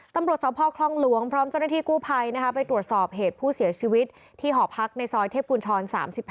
ตำรวจสภคลองหลวงพร้อมเจ้าหน้าที่กู้ภัยไปตรวจสอบเหตุผู้เสียชีวิตที่หอพักในซอยเทพกุญชร๓๕